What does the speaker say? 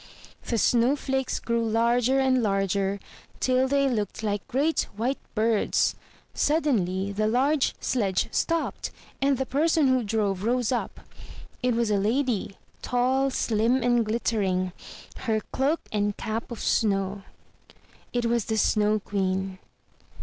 The snow flakes grew larger and larger, till they looked like great white birds. Suddenly the large sledge stopped, and the person who drove rose up. It was a lady, tall, slim and glit tering, her cloak and cap of snow. It was the Snow Queen.